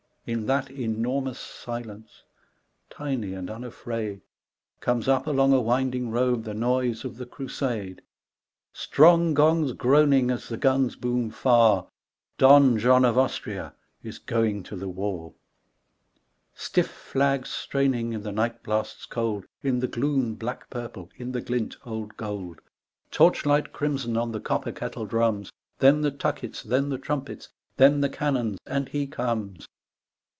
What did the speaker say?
In that enormous silence, tiny and unafraid, Comes up along a winding road the noise of the Crusade. Strong gongs groaning as the guns boom far, Don John of Austria is going to the war, Stiff flags straining in the night blasts cold In the gloom black purple, in the glint old gold, Torchlight crimson on the copper kettle drums, Then the tuckets, then the trumpets, then the can non, and he comes.